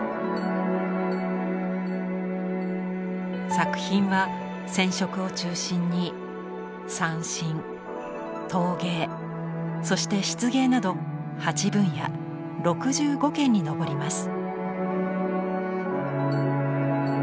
作品は染織を中心に三線陶芸そして漆芸など８分野６５件に上ります。